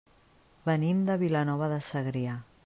Venim de Vilanova de Segrià.